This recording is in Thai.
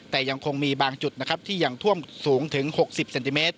แต่ยังคงมีบางจุดนะครับที่ยังท่วมสูงถึง๖๐เซนติเมตร